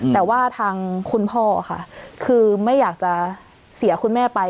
แต่ว่าทางคุณพ่อค่ะคือไม่อยากจะเสียคุณแม่ไป